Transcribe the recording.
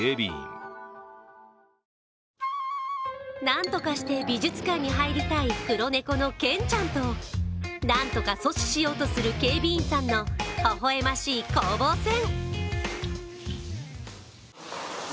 なんとかして美術館に入りたい黒猫のケンちゃんとなんとか阻止しようとする警備員さんのほほ笑ましい攻防戦。